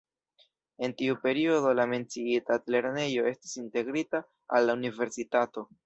En tiu periodo la menciita altlernejo estis integrita al la universitato.